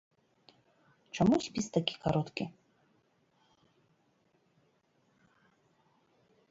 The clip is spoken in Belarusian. Чаму спіс такі кароткі?